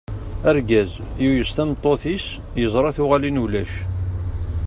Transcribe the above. Argaz, yuyes tameṭṭut-is, yeẓra tuɣalin ulac.